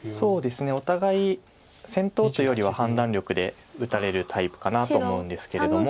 お互い戦闘というよりは判断力で打たれるタイプかなと思うんですけれども。